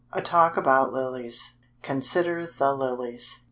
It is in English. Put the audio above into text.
A Talk About Lilies. "CONSIDER THE LILIES."